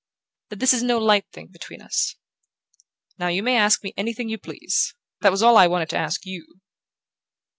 "That this is no light thing between us. Now you may ask me anything you please! That was all I wanted to ask YOU."